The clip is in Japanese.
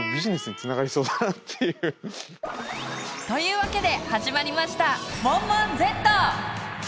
というわけで始まりました「モンモンＺ」！